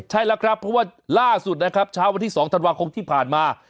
ใช่แล้วครับเพราะว่าล่าสุดนะครับเช้าวันที่๒ธันวาคมที่ผ่านมา